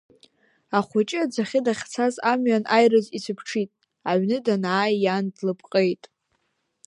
Ахәыҷы аӡахьы дахьцаз амҩан аирыӡ ицәыԥҽит, аҩны данааи иан длыпҟеит.